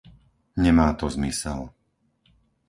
Nemá to zmysel.